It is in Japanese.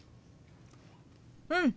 うん。